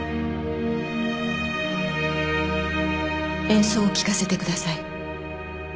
演奏を聞かせてください。